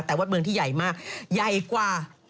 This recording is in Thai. แต่ว่าเมืองที่ใหญ่มากใหญ่กว่า